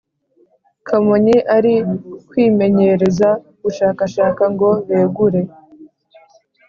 Kamonyi ari kwimenyereza gushakashaka ngo begure